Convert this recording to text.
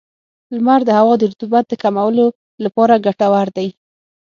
• لمر د هوا د رطوبت د کمولو لپاره ګټور دی.